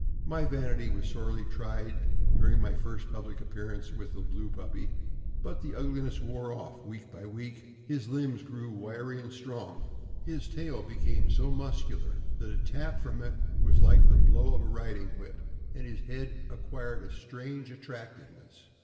My vanity was sorely tried during my first public appearance with the blue puppy. But the ugliness wore off week by week. His limbs grew wiry and strong. His tail became so muscular that a tap from it was like the blow 404 THE AMERICAN BOOK OF THE DOG. of a riding whip, and his head acquired a strange attractiveness.